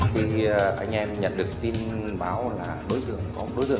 thì anh em nhận được tin báo là đối tượng có một đối tượng